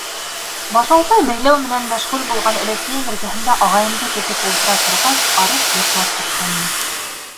Башалтай бәйләү менән мәшғүл булған өләсәйем эргәһендә ағайымды көтөп ултыра торғас, арып йоҡлап киткәнмен.